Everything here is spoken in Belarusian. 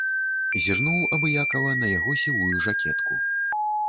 Зірнуў абыякава на яго сівую жакетку.